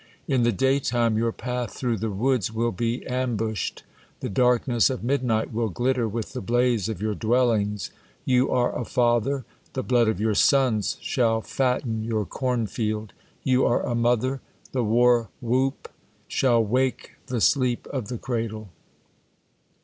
In the day time, your patli through the woods will be ambuslicd. The darkness of micluight will glitter with the blaze of your dwellings. You are a father ; the blood of your sons shall iatlen your cornfield. You ^re a mother ; the v/ar whoop shall wake the sleep of the cradle.